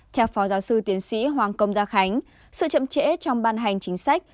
theo phó giáo sư tiến sĩ hoàng công gia khánh sự chậm trễ trong ban hành chính sách